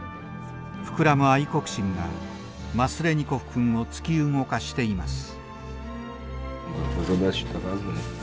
膨らむ愛国心がマスレニコフ君を突き動かしています。